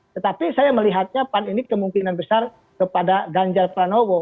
tetapi saya melihatnya pan ini kemungkinan besar kepada ganjar pranowo